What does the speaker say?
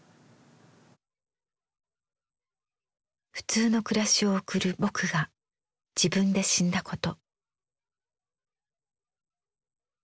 普通の暮らしを送る「ぼく」が自分で死んだこと。